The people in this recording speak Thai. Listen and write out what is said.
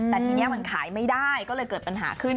แต่ทีนี้มันขายไม่ได้ก็เลยเกิดปัญหาขึ้น